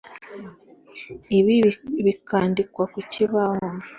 Ibi Bikandikwa ku kibaho.